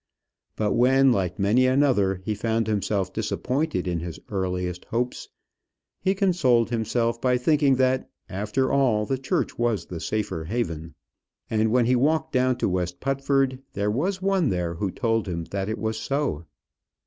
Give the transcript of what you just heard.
But when, like many another, he found himself disappointed in his earliest hopes, he consoled himself by thinking that after all the church was the safer haven. And when he walked down to West Putford there was one there who told him that it was so.